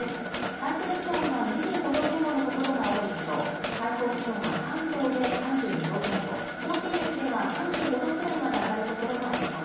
最低気温は２５度前後の所が多いでしょう。